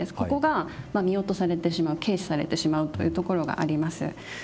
ここが見落とされてしまう軽視されてしまうというところがあります。